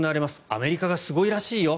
アメリカがすごいらしいよ。